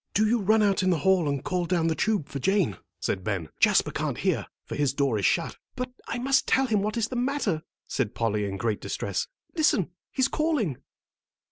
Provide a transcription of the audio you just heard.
"Do you run out in the hall and call down the tube for Jane," said Ben. "Jasper can't hear, for his door is shut." "But I must tell him what is the matter," said Polly, in great distress. "Listen, he's calling."